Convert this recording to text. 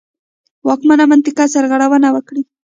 واکمنان منطقه سرغړونه وکړي.